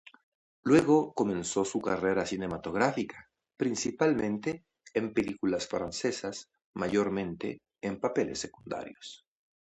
Luego comenzó su carrera cinematográfica, principalmente en películas francesas, mayormente en papeles secundarios.